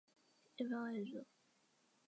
一般外族。